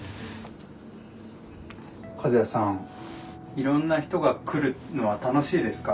いろんな人が来るのは楽しいですか？